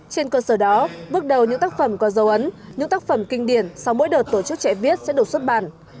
trên cơ sở đó bước đầu những tác phẩm có dấu ấn những tác phẩm kinh điển sau mỗi đợt tổ chức chạy viết sẽ được xuất bản